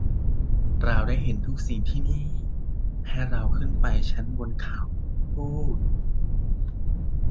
เราได้เห็นทุกสิ่งที่นี่; ให้เราขึ้นไปชั้นบนเขาพูด